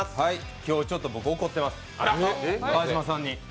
今日、ちょっと僕怒ってます、川島さんに。